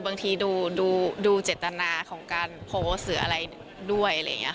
บางทีดูเจตนาของการโพสต์หรืออะไรด้วย